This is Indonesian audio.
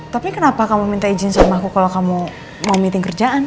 tapi kenapa kamu minta ijin padaku kalau kamu mau meeting kerjaan